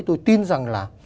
tôi tin rằng là